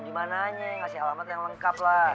dimana aja ngasih alamat yang lengkap lah